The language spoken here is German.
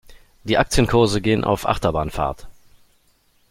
Die Aktienkurse gehen auf Achterbahnfahrt.